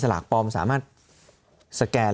ลากปลอมสามารถสแกน